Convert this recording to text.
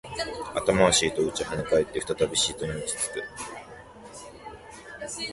頭はシートを打ち、跳ね返って、再びシートに落ち着く